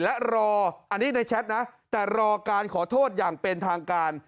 และรออันนี้ในแชทนะแต่รอการขอโทษอย่างเป็นทางการ